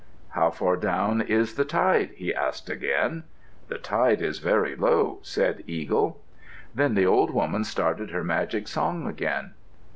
"How far down is the tide?" he asked again. "The tide is very low," said Eagle. Then the old woman started her magic song again.